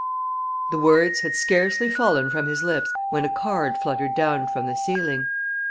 The words had scarcely fallen from his lips when a card fluttered down from the ceiling.